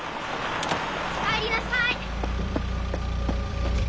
お帰りなさい。